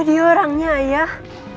itu dia orangnya ayah